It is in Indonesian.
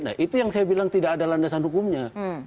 nah itu yang saya bilang tidak ada landasan hukumnya